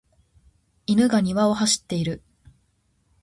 犬が庭を走っている。